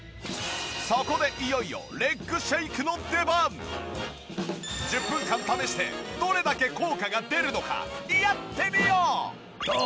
そこでいよいよ１０分間試してどれだけ効果が出るのかやってみよう！